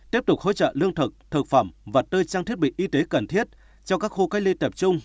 tiếp tục hỗ trợ lương thực thực phẩm vật tư trang thiết bị y tế cần thiết cho các khu cách ly tập trung